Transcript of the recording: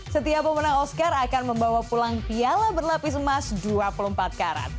setiap pemenang oscar akan membawa pulang piala berlapis emas dua puluh empat karat